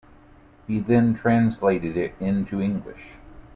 He then translated it into English.